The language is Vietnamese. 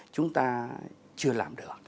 chúng ta chưa làm được